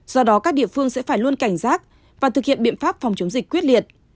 do đó các địa phương sẽ phải luôn cảnh giác và thực hiện biện pháp phòng chống dịch quyết liệt